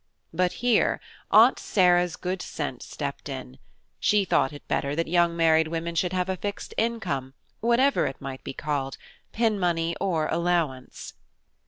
But here Aunt Sarah's good sense stepped in: she thought it better that young married women should have a fixed income, whatever it might be called, pin money or allowance.